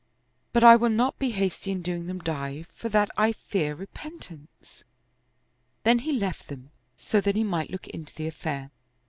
But I will not be hasty in doing them die, for that I fear repentance." Then he left them, so he might look into the affair.